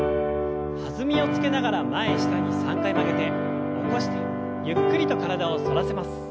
弾みをつけながら前下に３回曲げて起こしてゆっくりと体を反らせます。